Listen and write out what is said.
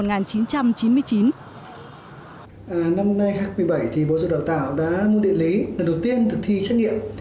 năm hai nghìn một mươi bảy bộ giáo dục và đào tạo đã mua địa lý lần đầu tiên được thi trắc nghiệm